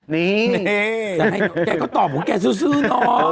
นี่แกก็ตอบว่าแกซื่อลอ